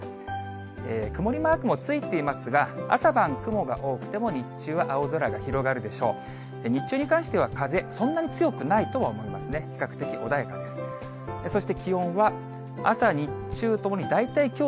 曇りマークもついていますが、朝晩、雲が多くても、日中は青空が広がるでしょう。